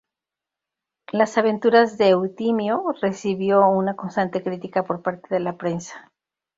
Las Aventuras de Eutimio recibió una constante critica por parte de la prensa.